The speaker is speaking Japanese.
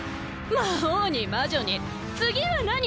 魔王に魔女に次は何？